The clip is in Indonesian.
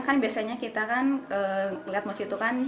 kan biasanya kita kan melihat mochi itu kan